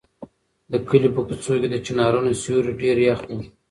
د کلي په کوڅو کې د چنارونو سیوري ډېر یخ وو.